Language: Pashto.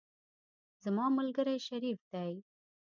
زما ملګری شریف دی.